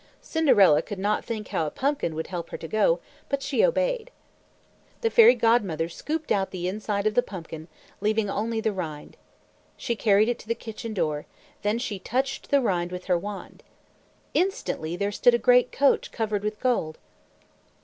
Cinderella could not think how a pumpkin would help her to go, but she obeyed. The Fairy Godmother scooped out the inside of the pumpkin, leaving only the rind. She carried it to the kitchen door. Then she touched the rind with her wand. Instantly there stood a great coach covered with gold.